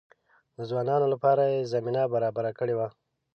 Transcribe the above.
د ځوانانو لپاره یې زمینه برابره کړې وه.